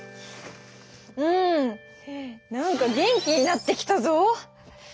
うん何か元気になってきたぞ！